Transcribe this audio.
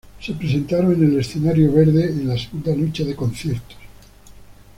Se presentaron en el "Escenario verde" en la segunda noche de conciertos.